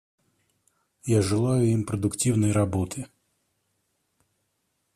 Я желаю им продуктивной работы.